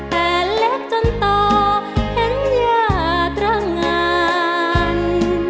แผ่นเล็กจนต่อเห็นยาตรงาน